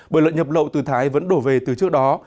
bởi lợn nhập lậu từ thái vẫn đổ về từ trước đó